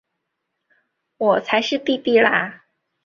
我才是姊姊啦！